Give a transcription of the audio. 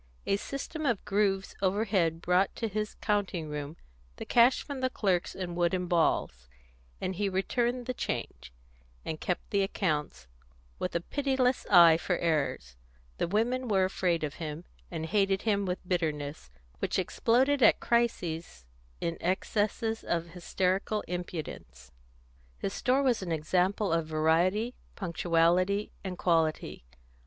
A system of grooves overhead brought to his counting room the cash from the clerks in wooden balls, and he returned the change, and kept the accounts, with a pitiless eye for errors. The women were afraid of him, and hated him with bitterness, which exploded at crises in excesses of hysterical impudence. His store was an example of variety, punctuality, and quality.